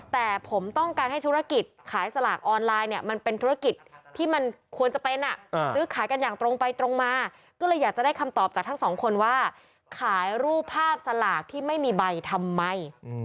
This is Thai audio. แต่ผมต้องการให้ธุรกิจขายสลากออนไลน์เนี่ยมันเป็นธุรกิจที่มันควรจะเป็นซื้อขายกันอย่างตรงไปตรงมาก็เลยอยากจะได้คำตอบจากทั้งสองคนว่าขายรูปภาพสลากที่ไม่มีใบทำไม